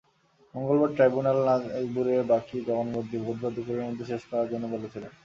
মঙ্গলবার ট্রাইব্যুনাল নাজিবুরের বাকি জবানবন্দি বুধবার দুপুরের মধ্যে শেষ করার জন্য বলেছিলেন।